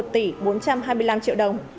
một tỷ bốn trăm hai mươi năm triệu đồng